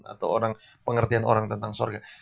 atau pengertian orang tentang surga